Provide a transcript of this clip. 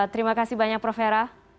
terima kasih banyak prof hera